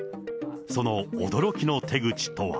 その驚きの手口とは。